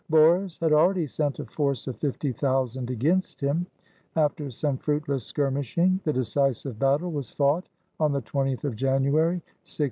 Boris had already sent a force of fifty thousand against him. After some fruitless skir mishing, the decisive battle was fought on the 20th of January, 1605.